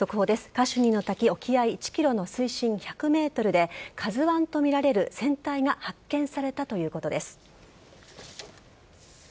カシュニの滝沖合１ｋｍの水深１００ｍで「ＫＡＺＵ１」とみられる船体が発見されたということです。